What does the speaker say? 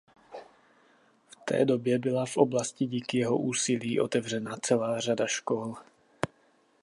V té době byla v oblasti díky jeho úsilí otevřena celá řada škol.